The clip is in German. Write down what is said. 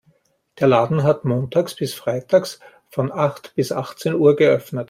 Der Laden hat montags bis freitags von acht bis achtzehn Uhr geöffnet.